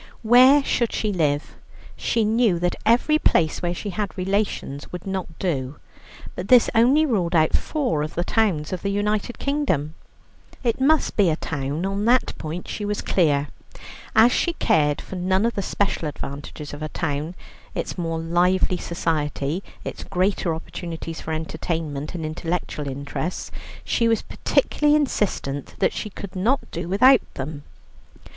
Where should she live? She knew that every place where she had relations would not do, but this only ruled out four of the towns of the United Kingdom. It must be a town; on that point she was clear. As she cared for none of the special advantages of a town, its more lively society, its greater opportunities for entertainment and intellectual interests, she was particularly insistent that she could not do without them.